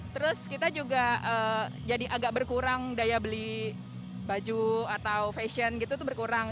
terus kita juga jadi agak berkurang daya beli baju atau fashion gitu berkurang